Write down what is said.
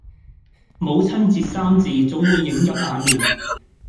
母親節三字總會映入眼廉